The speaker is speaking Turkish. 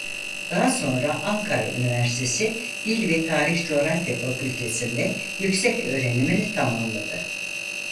Daha sonra Ankara Üniversitesi Dil ve Tarih Coğrafya Fakültesi'nde yüksek öğrenimini tamamladı.